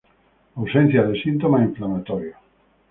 Ausencia de síntomas inflamatorios.